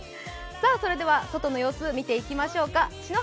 それでは外の様子を見ていきましょうか。